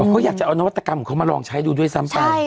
เขาอยากจะเอานวัตกรรมของเขามาลองใช้ดูด้วยซ้ำไป